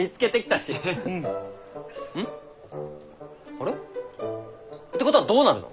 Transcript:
あれ？ってことはどうなるの？